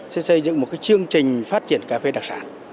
sẽ xây dựng một chương trình phát triển cà phê đặc sản